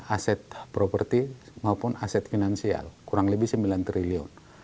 aset properti maupun aset finansial kurang lebih sembilan triliun